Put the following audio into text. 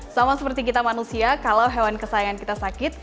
sama seperti kita manusia kalau hewan kesayangan kita sakit